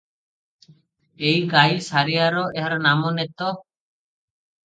ଏହିଗାଈ ସାରିଆର ଏହାର ନାମ ନେତ ।